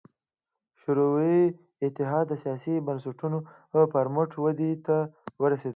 شوروي اتحاد د سیاسي بنسټونو پر مټ ودې ته ورسېد.